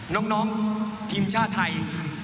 น้องทีมชาติไทย